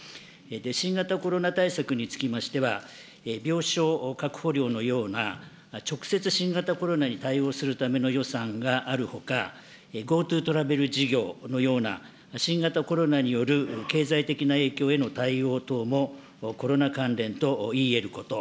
新型コロナ対策につきましては、病床確保料のような直接新型コロナに対応するための予算があるほか、ＧｏＴｏトラベル事業のような、新型コロナによる経済的な影響への対応等もコロナ関連といいえること。